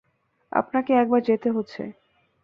আপনাকে একবার যেতে হচ্ছে।